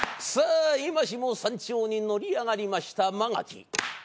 さぁ今しも山頂に乗り上がりました曲垣。